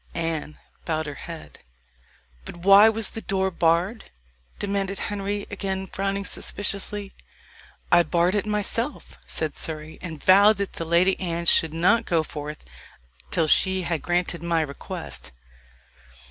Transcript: Anne bowed her head. "But why was the door barred?" demanded Henry, again frowning suspiciously. "I barred it myself," said Surrey, "and vowed that the Lady Anne should not go forth till she had granted my request."